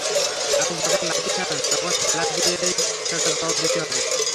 আপনি যখন লাথি খাবেন, তখন খেলা দিয়েই সেটার জবাব দিতে হবে।